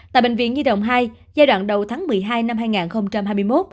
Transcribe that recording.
tại bệnh viện nhi đồng hai giai đoạn đầu tháng một mươi hai năm hai nghìn hai mươi một